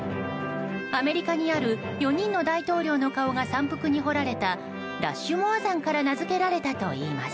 アメリカにある４人の大統領の顔が山腹に彫られたラッシュモア山から名付けられたといいます。